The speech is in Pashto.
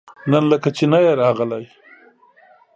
نن لکه چې نه يې راغلی؟